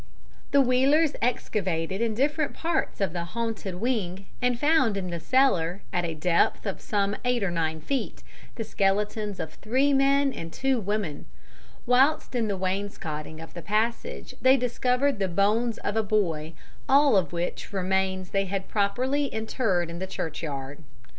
The Wheelers excavated in different parts of the haunted wing and found, in the cellar, at a depth of some eight or nine feet, the skeletons of three men and two women; whilst in the wainscoting of the passage they discovered the bones of a boy, all of which remains they had properly interred in the churchyard.